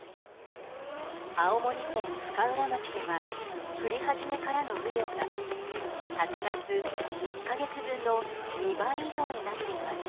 青森県深浦町では降り始めからの雨量が８月１か月分の２倍以上になっています。